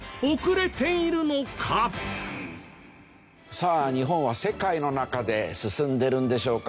さあ日本は世界の中で進んでいるんでしょうか？